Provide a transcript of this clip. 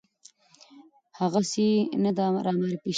هغسې نه ده رامعرفي شوې